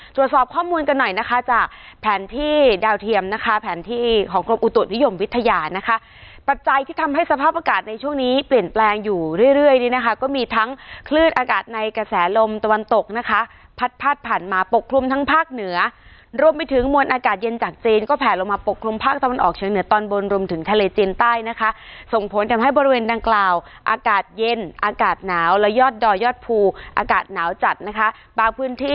ตรวจสอบข้อมูลกันหน่อยนะคะจากแผนที่ดาวเทียมนะคะแผนที่ของกรมอุตถุนิยมวิทยานะคะปัจจัยที่ทำให้สภาพอากาศในช่วงนี้เปลี่ยนแปลงอยู่เรื่อยนะคะก็มีทั้งคลืดอากาศในกระแสลมตะวันตกนะคะพัดผ่านมาปกครุมทั้งภาคเหนือรวมไปถึงมวลอากาศเย็นจากเจนก็แผนลงมาปกครุมภาคตะวันออกเชียงเหนือตอนบน